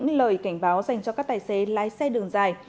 đây chính là những lời cảnh báo dành cho các tài xế lái xe đường dài